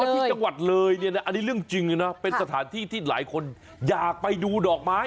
ที่จังหวัดเลยเนี่ยนะอันนี้เรื่องจริงนะเป็นสถานที่ที่หลายคนอยากไปดูดอกไม้